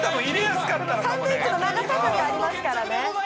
サンドイッチの長さ分がありますからね。